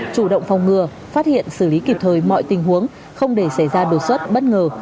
chủ động phòng ngừa phát hiện xử lý kịp thời mọi tình huống không để xảy ra đột xuất bất ngờ